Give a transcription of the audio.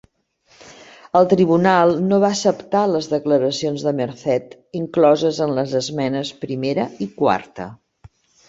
El tribunal no va acceptar les declaracions de Merced incloses en les esmenes primera i quarta.